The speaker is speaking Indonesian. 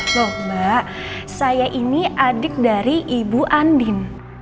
loh mbak saya ini adik dari ibu andin